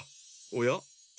おや？